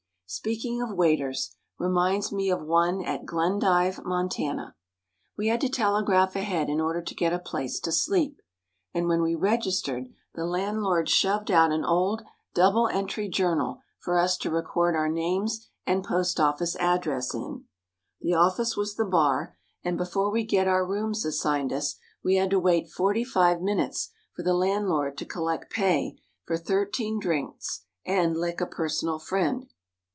Speaking of waiters, reminds me of one at Glendive, Montana. We had to telegraph ahead in order to get a place to sleep, and when we registered the landlord shoved out an old double entry journal for us to record our names and postoffice address in. The office was the bar and before we could get our rooms assigned us, we had to wait forty five minutes for the landlord to collect pay for thirteen drinks and lick a personal friend.